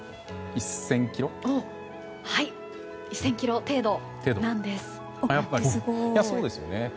１０００ｋｍ程度なんです。